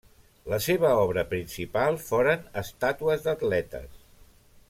La seva obra principal foren estàtues d'atletes.